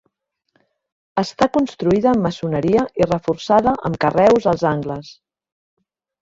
Està construïda amb maçoneria i reforçada amb carreus als angles.